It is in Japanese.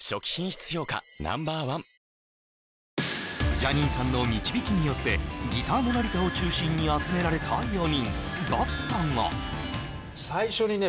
ジャニーさんの導きによってギターの成田を中心に集められた４人だったが最初にね